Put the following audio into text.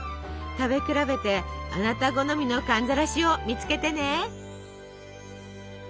食べ比べてあなた好みの寒ざらしを見つけてね。